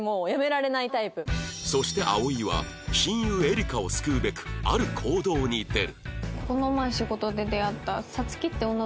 そして葵は親友エリカを救うべくある行動に出る